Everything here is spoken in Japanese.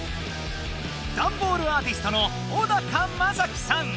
ダンボールアーティストのオダカマサキさん！